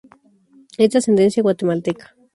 Es de ascendencia guatemalteca.